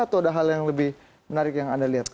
atau ada hal yang lebih menarik yang anda lihat